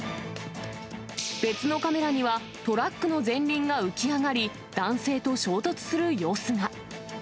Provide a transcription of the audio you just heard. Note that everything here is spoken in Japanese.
別のカメラには、トラックの前輪が浮き上がり、男性と衝突する様子が。